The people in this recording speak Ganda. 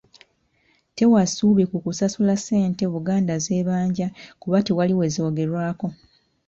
Tewa ssuubi ku kusasula ssente Buganda z'ebanja kuba tewali we zoogererwako.